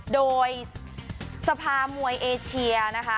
โดยสภามวยเอเชียนะคะ